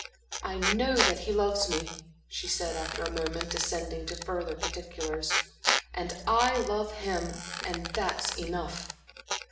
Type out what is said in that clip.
"I know that he loves me," she said, after a moment, descending to further particulars "and I love him, and that's enough."